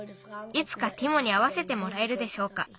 いつかティモにあわせてもらえるでしょうか。